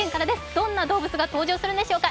どんな動物が登場するんでしょうか。